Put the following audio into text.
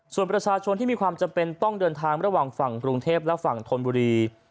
ส่วนประชาชนที่มีความจำเป็นต้องเดินทางระหว่างฝั่งกรุงเทพและฝั่งธนบุรี